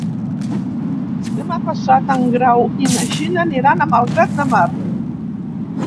Demà passat en Grau i na Gina aniran a Malgrat de Mar.